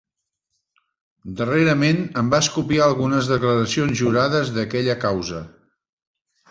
Darrerament em vas copiar algunes declaracions jurades d'aquella causa.